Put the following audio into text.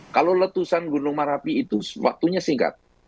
kalau letusan gunung merapi itu waktunya singkat